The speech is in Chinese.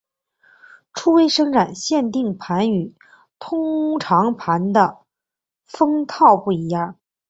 初回生产限定盘与通常盘的封套不一样。